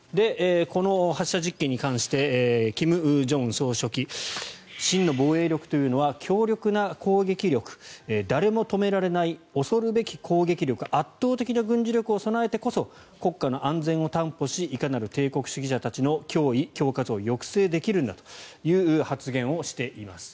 この発射実験に関して金正恩総書記真の防衛力というのは強力な攻撃力誰も止められない恐るべき攻撃力圧倒的な軍事力を備えてこそ国家の安全を担保しいかなる帝国主義者たちの脅威・恐喝を抑制できるんだという発言をしています。